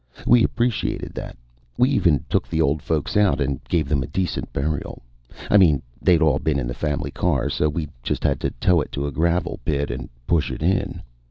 We appreciated that. We even took the old folks out and gave them a decent burial. I mean they'd all been in the family car, so we just had to tow it to a gravel pit and push it in.